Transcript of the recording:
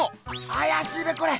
あやしいべこれ！